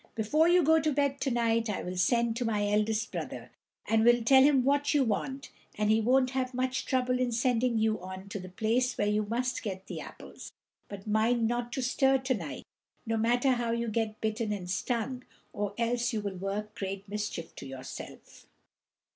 Before you go to bed to night I will send to my eldest brother, and will tell him what you want, and he won't have much trouble in sending you on to the place where you must get the apples. But mind not to stir to night no matter how you get bitten and stung, or else you will work great mischief to yourself."